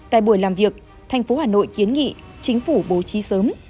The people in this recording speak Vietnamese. tại buổi làm việc thành phố hà nội kiến nghị chính phủ bố trí sớm